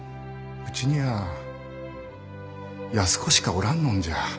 うちにゃあ安子しかおらんのんじゃ。